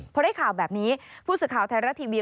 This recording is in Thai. พอได้ข่าวแบบนี้ผู้สื่อข่าวไทยรัฐทีวี